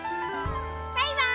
バイバーイ！